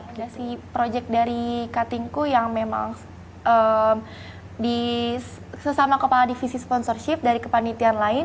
ada sih proyek dari ktingku yang memang sesama kepala divisi sponsorship dari kepanitian langsung